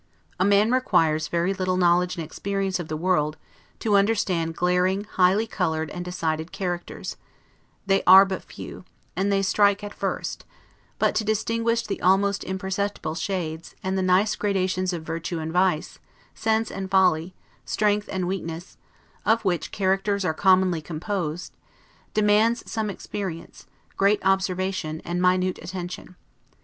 A man requires very little knowledge and experience of the world, to understand glaring, high colored, and decided characters; they are but few, and they strike at first: but to distinguish the almost imperceptible shades, and the nice gradations of virtue and vice, sense and folly, strength and weakness (of which characters are commonly composed), demands some experience, great observation, and minute attention.